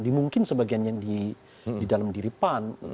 di mungkin sebagiannya di dalam diri pan